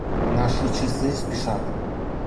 Наши часы спешат.